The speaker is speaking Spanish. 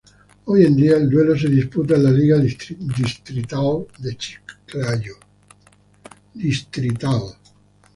Hoy en día el duelo se disputa en la Liga Distrital de Chiclayo.